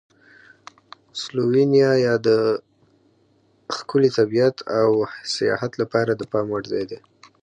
سلووینیا د ښکلي طبیعت او سیاحت لپاره د پام وړ ځای دی.